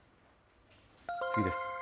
次です。